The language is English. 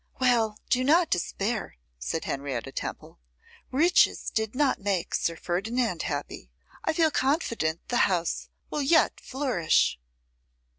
'Well, do not despair,' said Henrietta Temple; 'riches did not make Sir Ferdinand happy. I feel confident the house will yet flourish.